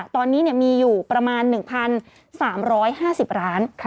ตอนนี้มีอยู่ประมาณ๑๓๕๐ล้าน